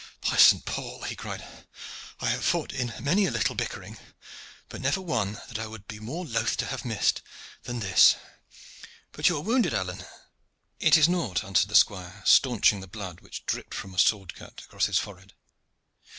"By St. Paul!" he cried, "I have fought in many a little bickering, but never one that I would be more loth to have missed than this. But you are wounded, Alleyne?" "It is nought," answered his squire, stanching the blood which dripped from a sword cut across his forehead.